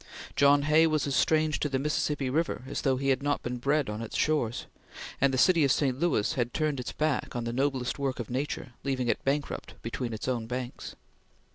John Hay was as strange to the Mississippi River as though he had not been bred on its shores, and the city of St. Louis had turned its back on the noblest work of nature, leaving it bankrupt between its own banks.